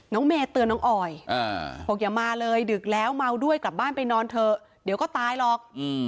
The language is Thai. น้องเมย์เตือนน้องออยบอกอย่ามาเลยดึกแล้วเมาด้วยกลับบ้านไปนอนเถอะเดี๋ยวก็ตายหรอก